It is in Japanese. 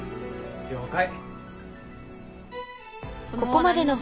了解。